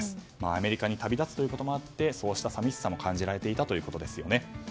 アメリカに旅立つということもあってそうした寂しさも感じられていたということですよね。